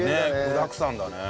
具だくさんだね。